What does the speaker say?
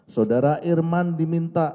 saudara irman diminta